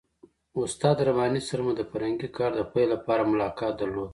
استاد رباني سره مو د فرهنګي کار د پیل لپاره ملاقات درلود.